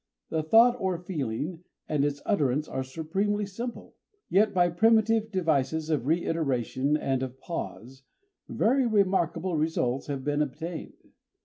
The thought or feeling and its utterance are supremely simple; yet by primitive devices of reiteration and of pause, very remarkable results have been obtained.